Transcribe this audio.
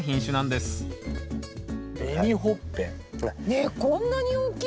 ねっこんなに大きいですよ。